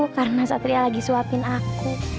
karena satria lagi suapin aku